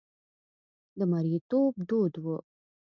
د مریتوب دود و.